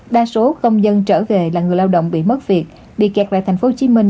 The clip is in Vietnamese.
đa số công dân trở về là người lao động bị mất việc bị kẹt lại thành phố hồ chí minh